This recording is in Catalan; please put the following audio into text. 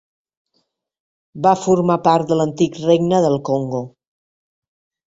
Va formar part de l'antic regne del Congo.